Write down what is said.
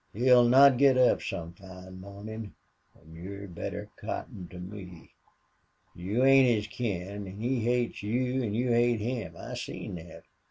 He'll not git up some fine mornin'.... An' you'd better cotton to me. You ain't his kin an' he hates you an' you hate him. I seen thet.